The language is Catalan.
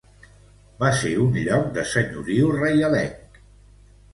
Va ser un lloc de senyoriu reialenc.